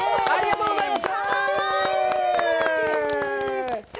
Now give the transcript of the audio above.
ありがとうございます。